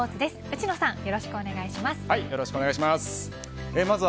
内野さんよろしくお願いします。